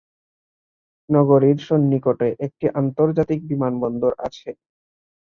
নগরীর সন্নিকটে একটি আন্তর্জাতিক বিমানবন্দর আছে।